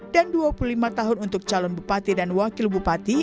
dan dua puluh lima tahun untuk calon bupati dan wakil bupati